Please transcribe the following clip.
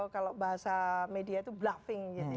kalau bahasa media itu bluffing